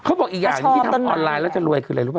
เขาบอกอีกอย่างหนึ่งที่ทำออนไลน์แล้วจะรวยคืออะไรรู้ป